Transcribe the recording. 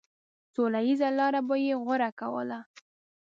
سوله ييزه لاره به يې غوره کوله.